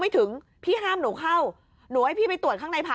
เพราะข้างนะ